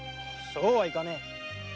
そうはいかねぇ。